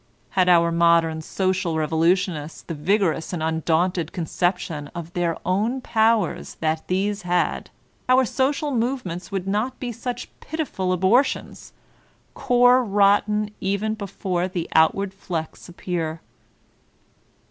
Had our modem social revolutionists the vigorous and undaunted conception of their own powers that these The Dominant Idea 93 hadt otur social movements would not be such pitiful abortions,— core rotten even before the outward flecks appear.